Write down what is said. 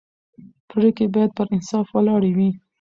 پرېکړې باید پر انصاف ولاړې وي